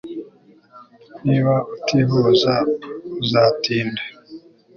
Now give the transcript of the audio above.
Niba utihuta uzatinda